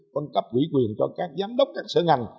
phân cấp quỷ quyền cho các giám đốc các sở ngành